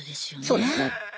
そうですね。